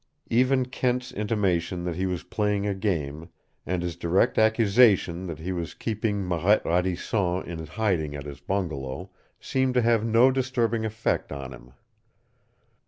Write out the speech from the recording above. Even Kent's intimation that he was playing a game, and his direct accusation that he was keeping Marette Radisson in hiding at his bungalow, seemed to have no disturbing effect on him.